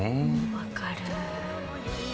分かる。